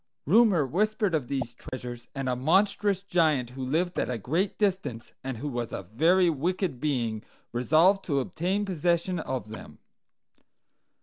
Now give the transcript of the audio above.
"Rumor whispered of these treasures; and a monstrous giant who lived at a great distance, and who was a very wicked being, resolved to obtain possession of them.